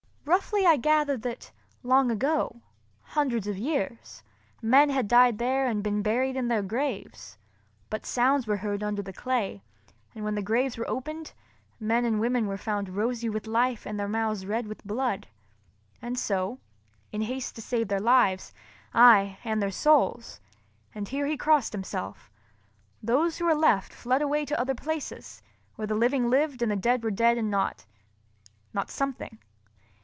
Roughly I gathered that long ago, hundreds of years, men had died there and been buried in their graves; but sounds were heard under the clay, and when the graves were opened, men and women were found rosy with life and their mouths red with blood. And so, in haste to save their lives (aye, and their souls!—and here he crossed himself) those who were left fled away to other places, where the living lived and the dead were dead and not—not something.